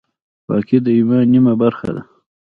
پاکي د ایمان نیمه برخه ده.